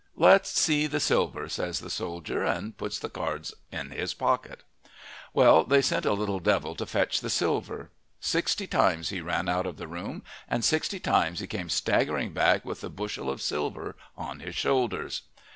"Lets see the silver," says the soldier, and puts the cards in his pocket. Well, they sent a little devil to fetch the silver. Sixty times he ran out of the room and sixty times he came staggering back with a bushel of silver on his shoulders.